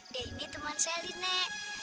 dan ini teman setti nek